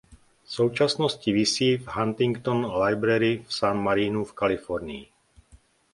V současnosti visí v Huntington Library v San Marinu v Kalifornii.